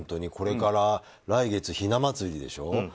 これから来月ひな祭りでしょ。